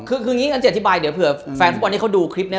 คืองี้งั้นจะอธิบายเดี๋ยวเผื่อแฟนฟุตบอลที่เขาดูคลิปนี้